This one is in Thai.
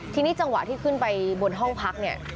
ทีนี้จังหวะที่ขึ้นไปบนห้องพักเนี่ย